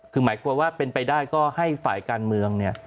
คือหมายกลัวว่าเป็นไปได้ก็ให้ฝ่ายการเมืองเนี่ย